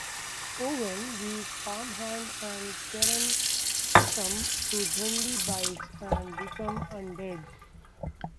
Owen the farmhand and Karen succumb to zombie bites and become undead.